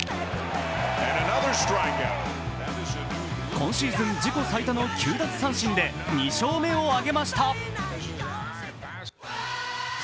今シーズン自己最多の９奪三振で２勝目を挙げました。